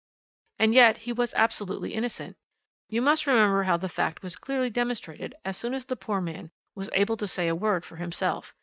"And yet he was absolutely innocent. You must remember how that fact was clearly demonstrated as soon as the poor man was able to say a word for himself.